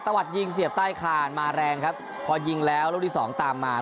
วัดยิงเสียบใต้คานมาแรงครับพอยิงแล้วลูกที่สองตามมา